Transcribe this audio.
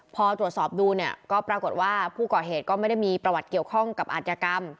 พอตรวจสอบดูเนี่ยก็ปรากฏว่าผู้ก่อเหตุก็ไม่ได้มีประวัติเกี่ยวข้องกับอัธยกรรม